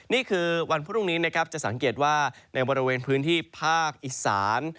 นี่คือวันพรุ่งนี้นะครับจะสังเกตว่าในบริเวณพื้นที่ภาคอีสาน